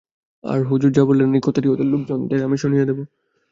আহা, হুজুর যা বললেন, এই কথাটি ওদের লোকজনদের আমি শুনিয়ে দেব।